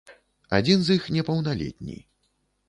Адзін з іх непаўналетні.